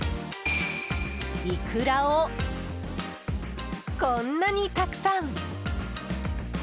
イクラを、こんなにたくさん。